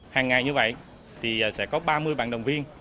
hàng ngày như vậy thì sẽ có ba mươi bạn đồng viên